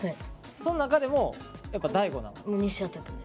その中でもやっぱ大吾なん？